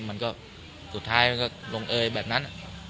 มันก็สุดท้ายมันก็ลงเอยแบบนั้น